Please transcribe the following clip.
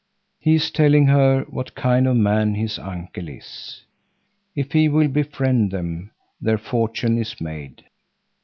He is telling her what kind of a man his uncle is. If he will befriend them their fortune is made.